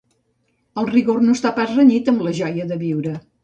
El rigor no està pas renyit amb la joia de viure.